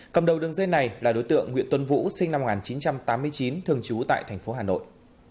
cầm đầu đường dây này là đối tượng nguyễn tuấn vũ sinh năm một nghìn chín trăm tám mươi chín thường trú tại tp hcm